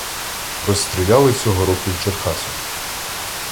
Розстріляли цього року в Черкасах.